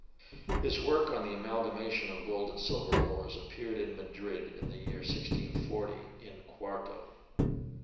His work on the amalgamation of gold and silver ores appeared at Madrid in the year 1640, in quarto.